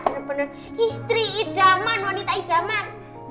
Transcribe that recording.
bener bener istri idaman wanita idaman